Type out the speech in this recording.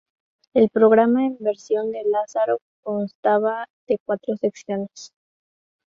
El programa en versión de Lazarov constaba de cuatro secciones.